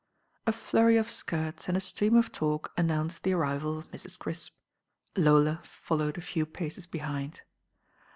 A flurry of skirts and a stream of talk annojnced the arrival of Mrs. Crisp. Lola followed a few paces behind.